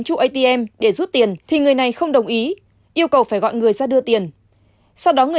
trụ atm để rút tiền thì người này không đồng ý yêu cầu phải gọi người ra đưa tiền sau đó người